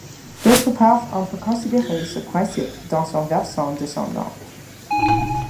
D'autre part on peut considérer ce principe dans son versant descendant.